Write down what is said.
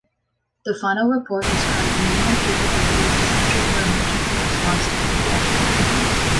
The final report described the minimum capabilities essential for emergency response to pediatric victims.